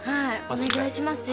お願いします